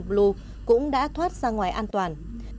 sun blue cũng đã thoát ra ngoài an toàn